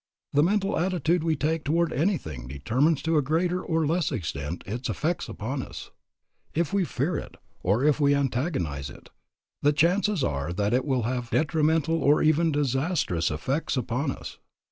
The mental attitude we take toward anything determines to a greater or less extent its effects upon us. If we fear it, or if we antagonize it, the chances are that it will have detrimental or even disastrous effects upon us.